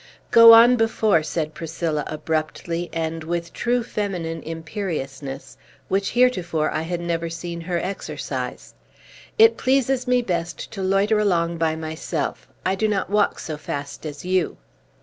"Go on before," said Priscilla abruptly, and with true feminine imperiousness, which heretofore I had never seen her exercise. "It pleases me best to loiter along by myself. I do not walk so fast as you."